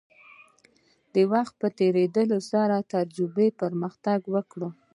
د وخت په تیریدو سره تجربې پرمختګ وکړ.